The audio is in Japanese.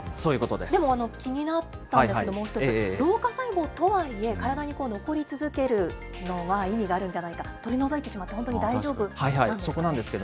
でも、気になったんですけれども、もう１つ、老化細胞とはいえ、体に残り続けるのは意味があるんじゃないか、取り除いてしまって本当に大丈夫なんですかね。